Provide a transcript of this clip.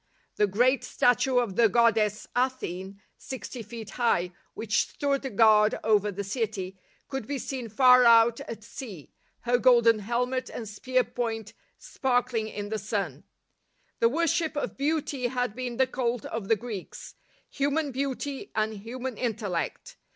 The great statue of the goddess Athene, sixty feet high, which stood guard over the city, could be seen far out at sea, her golden helmet and spear point sparkling in the sun. " WE PREACH CHRIST CRUCIFIED " 73 The worship of beauty had been the cult of the Greeks—human beauty and human intel lect.